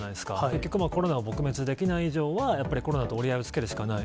結局コロナを撲滅できない以上は、やっぱりコロナと折り合いをつけるしかない。